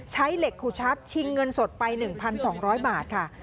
ใช้เหล็กขูชับชิงเงินสดไป๑๒๐๐บาทค่ะ